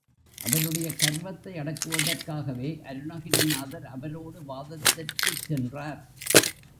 அவருடைய கர்வத்தை அடக்குவதற்காகவே அருணகிரிநாதர் அவரோடு வாதத்திற்குச் சென்றார்.